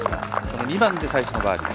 ２番で最初のバーディー。